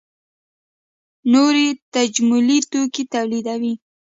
نور تجملي توکي تولیدوي.